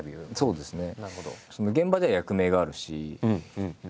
そうですね。